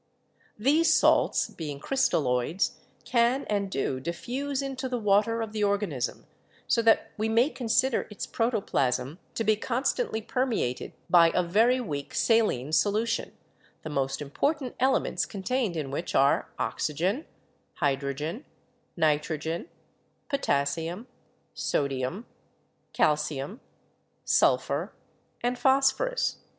These salts, being crystalloids, can and do diffuse into the water of the organism so that we may consider its protoplasm to be constantly permeated by a very weak saline solution, the most important elements contained in which are oxygen, hydrogen, nitrogen, potassium, sodium, calcium, sulphur ORGANIC FUNCTIONS 103 and phosphorus.